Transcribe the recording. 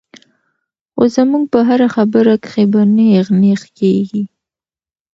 خو زمونږ پۀ هره خبره کښې به نېغ نېغ کيږي -